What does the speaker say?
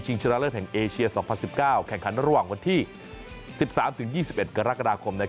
ชนะเลิศแห่งเอเชีย๒๐๑๙แข่งขันระหว่างวันที่๑๓๒๑กรกฎาคม